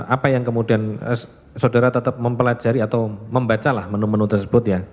apa yang kemudian saudara tetap mempelajari atau membacalah menu menu tersebut ya